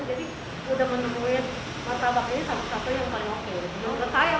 bertekstur renyah di luar empuk di dalam